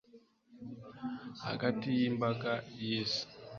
hagati yi mbaga y'isi